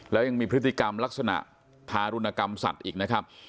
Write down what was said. แล้วยังมีพฤติกรรมลักษณะทารุณกรรมสัตว์อีกนะครับ